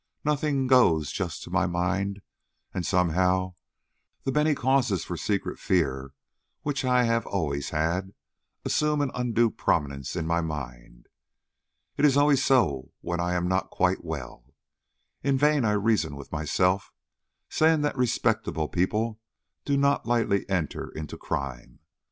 Nothing goes just to my mind, and somehow the many causes for secret fear which I have always had, assume an undue prominence in my mind. It is always so when I am not quite well. In vain I reason with myself, saying that respectable people do not lightly enter into crime.